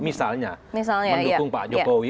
misalnya mendukung pak jokowi